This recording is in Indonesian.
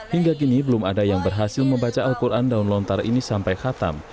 hingga kini belum ada yang berhasil membaca al quran daun lontar ini sampai khatam